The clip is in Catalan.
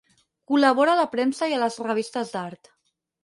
Col·labora a la premsa i a les revistes d'art.